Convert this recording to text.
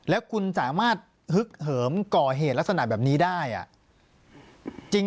แล้วคุณสามารถฮึกเหิมก่อเหตุลักษณะแบบนี้ได้